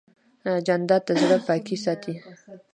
جانداد د زړه پاکي ساتي.